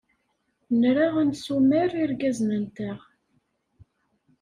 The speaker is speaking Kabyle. Nra ad nessumar irgazen-nteɣ.